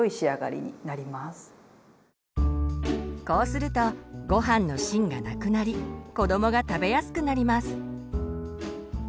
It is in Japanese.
こうするとごはんの芯がなくなり子どもが食べやすくなります。